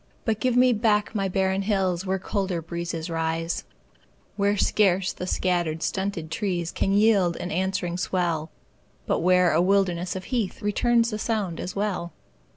But give me back my barren hills Where colder breezes rise; Where scarce the scattered, stunted trees Can yield an answering swell, But where a wilderness of heath Returns the sound as well.